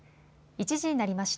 １時になりました。